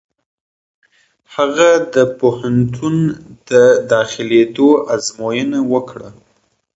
هغه د پوهنتون د داخلېدو ازموینه ورکړه.